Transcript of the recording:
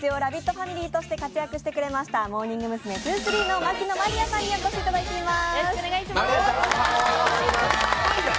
ファミリーとして活躍してくれましたモーニング娘’２３の牧野真莉愛さんにお越しいただいております！